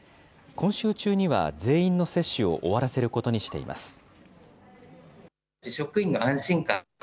今週中には全員の接種を終わらせることにしています。